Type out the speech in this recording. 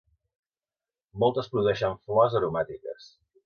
Moltes produeixen flors aromàtiques.